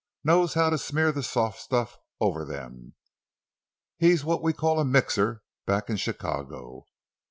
Knows how to smear the soft stuff over them. He's what we call a 'mixer' back in Chicago.